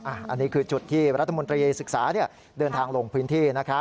อันนี้คือจุดที่รัฐมนตรีศึกษาเดินทางลงพื้นที่